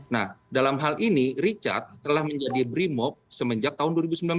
nah dalam hal ini richard telah menjadi brimop semenjak tahun dua ribu sembilan belas